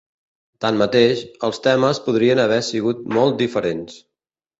Tanmateix, els temes podrien haver sigut molt diferents.